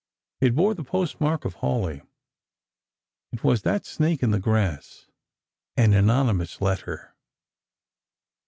It bore the post mark of Hawleigh. It waa that snake in the grass, an anonymous letter.